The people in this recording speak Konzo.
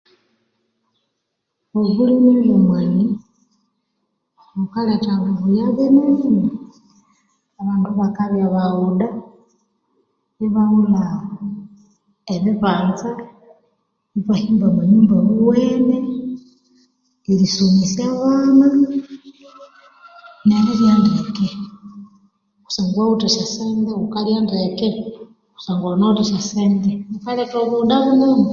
Obulime obo mwani bukaletha bibuya binene, abandu bakabya baghuda, ibaghulha ebibanza, ibahimba amanyumba awiwene, erisomesya abana neribya ndeke. Kusangwa awithe esyasente wukalya ndeke Kusangwa wunawithe esyasente. Bukaletha obuwuda bunene.